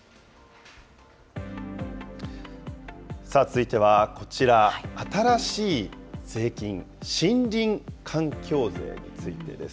続いてはこちら、新しい税金、森林環境税についてです。